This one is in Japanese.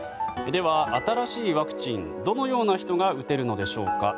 では、新しいワクチンどのような人が打てるのでしょうか。